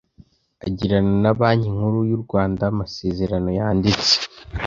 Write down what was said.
agirana na banki nkuru y’u rwanda amasezerano yanditse